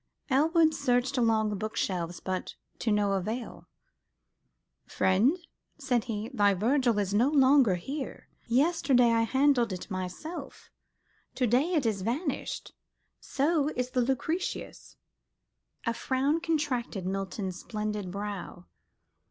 Elwood searched along the bookshelves, but to no avail. "Friend," said he, "thy Virgil is no longer here. Yesterday I handled it myself, to day it is vanished. So is the Lucretius." A frown contracted Milton's splendid brow.